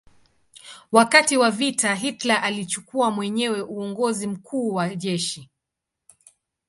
Wakati wa vita Hitler alichukua mwenyewe uongozi mkuu wa jeshi.